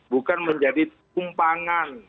bukan menjadi tumpangan